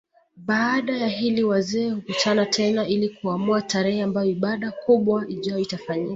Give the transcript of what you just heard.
Baada ya hili wazee hukutana tena ili kuamua tarehe ambayo ibada kubwa ijayo itafanyika